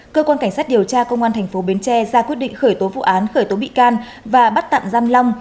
cơ quan cảnh sát điều tra công an thành phố bến tre ra quyết định khởi tố vụ án khởi tố bị can và bắt tạm giam long